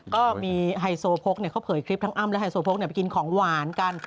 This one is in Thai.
ก็มีไฮโซโพกเขาเผยคลิปทั้งอ้ำและไฮโซโพกไปกินของหวานกัน